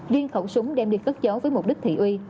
riêng khẩu súng đem đi cất cháu với mục đích thị uy